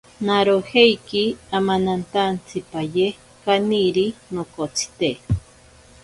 Narojeiki amanantantsipaye kaniri nokotsite.